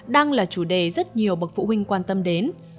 đang là chủ đề rất nhiều bậc phụ huynh quan tâm đến